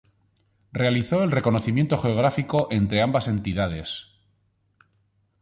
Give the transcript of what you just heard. Realizó el reconocimiento geográfico entre ambas entidades.